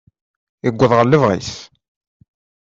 Yuweḍ ɣer lebɣi-s.